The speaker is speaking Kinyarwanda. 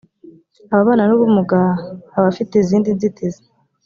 ababana n ‘ubumuga abafite izindi nzitizi